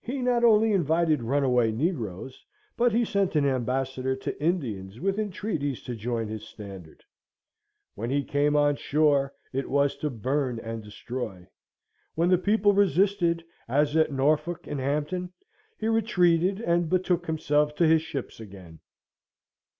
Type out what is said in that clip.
He not only invited runaway negroes, but he sent an ambassador to Indians with entreaties to join his standard. When he came on shore it was to burn and destroy: when the people resisted, as at Norfolk and Hampton, he retreated and betook himself to his ships again.